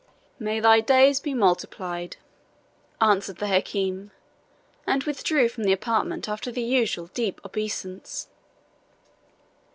"May thy days be multiplied!" answered the Hakim, and withdrew from the apartment after the usual deep obeisance.